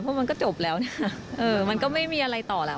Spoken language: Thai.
เพราะมันก็จบแล้วนะมันก็ไม่มีอะไรต่อแหละ